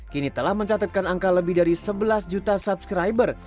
kini telah mencatatkan angka lebih dari sebelas juta subscriber